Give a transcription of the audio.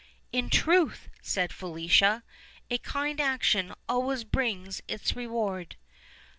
"In truth," said Felicia, "a kind action always brings its reward."